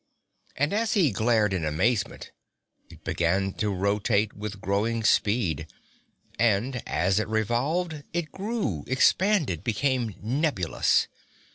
And as he glared in amazement, it began to rotate with growing speed. And as it revolved it grew, expanded, became nebulous.